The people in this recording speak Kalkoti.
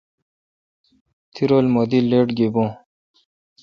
تی رو لہ می دی لیٹ گیبوں۔